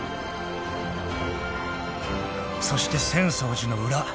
［そして浅草寺の裏］